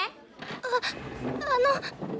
ああの。